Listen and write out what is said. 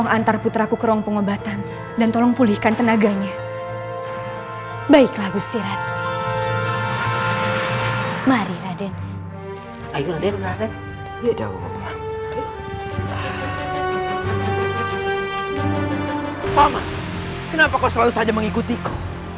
mama kenapa kau selalu saja mengikutiku